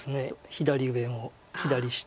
左上も左下。